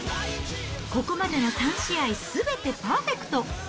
ここまでの３試合、すべてパーフェクト。